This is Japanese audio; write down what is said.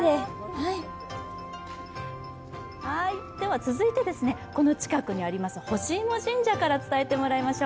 続いて、この近くにありますほしいも神社から伝えてもらいましょう。